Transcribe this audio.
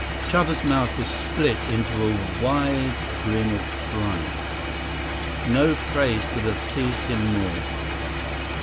Chuba's mouth was split into a wide grin of pride. No praise could have pleased him more.